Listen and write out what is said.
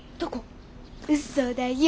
うそだよ。